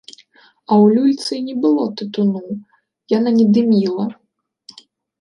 А ў люльцы не было тытуну, яна не дыміла.